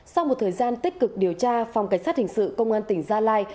sau một thời gian tích cực điều tra phòng cảnh sát hình sự công an tỉnh gia lai